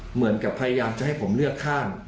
เหมือนกับพยายามจะให้ผมเลือกข้าง